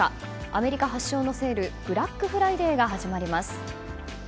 アメリカ発祥のセールブラックフライデーが始まります。